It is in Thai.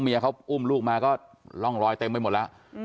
เขาอุ้มลูกมาก็ร่องรอยเต็มไปหมดแล้ว